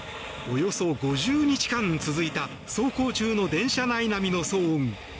およそ５０日間続いた走行中の電車内並みの騒音。